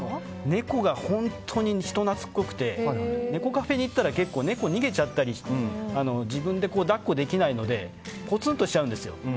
猫が本当に人懐こくて猫カフェに行ったら結構猫が逃げちゃったり自分で抱っこできないのでぽつんとしちゃうんです。